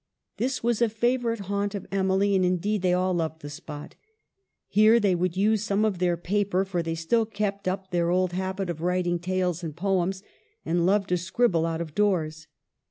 This was a favorite haunt of Emily, and indeed they all loved the spot. Here they would use some of their paper, for they still kept up their old habit of writing tales and poems, and loved to scribble out of doors.